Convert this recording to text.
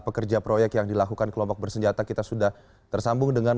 pekerja proyek yang dilakukan kelompok bersenjata kita sudah tersambung dengan